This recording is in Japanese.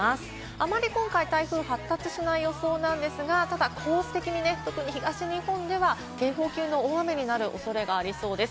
あまり今回、台風が発達しない予想ですが、ただ、コース的に特に東日本では警報級の大雨になる恐れがありそうです。